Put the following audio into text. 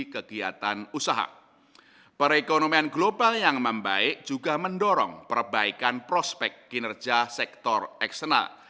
kegiatan usaha perekonomian global yang membaik juga mendorong perbaikan prospek kinerja sektor eksternal